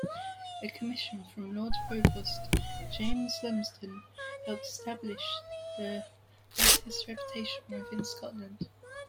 A commission from Lord Provost James Lumsden helped established the artist's reputation within Scotland.